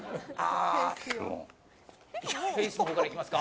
フェイスのほうからいきますか。